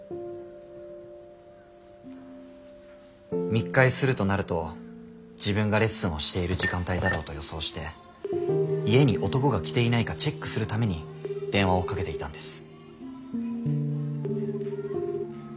密会するとなると自分がレッスンをしている時間帯だろうと予想して家に男が来ていないかチェックするために電話をかけていたんです。